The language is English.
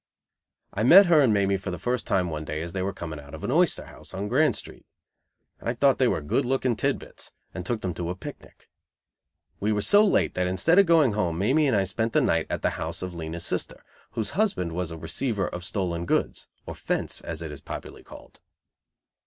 I met her and Mamie for the first time one day as they were coming out of an oyster house on Grand Street. I thought they were good looking tid bits, and took them to a picnic. We were so late that instead of going home Mamie and I spent the night at the house of Lena's sister, whose husband was a receiver of stolen goods, or "fence," as it is popularly called.